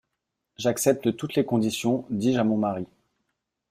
J'accepte toutes les conditions, dis-je à mon mari.